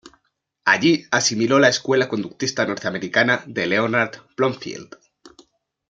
Allí asimiló la escuela conductista norteamericana de Leonard Bloomfield.